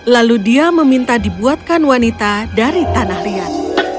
lalu dia meminta dibuatkan wanita dari tanah liat